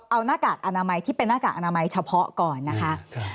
เอาหน้ากากอนามัยที่เป็นหน้ากากอนามัยเฉพาะก่อนนะคะ